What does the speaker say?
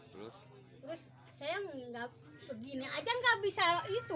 terus saya enggak begini aja enggak bisa itu